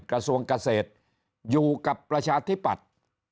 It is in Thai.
กระทรวงเกษตรอยู่กับประชาธิปัตย์